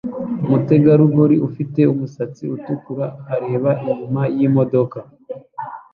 Umutegarugori ufite umusatsi utukura ureba inyuma yimodoka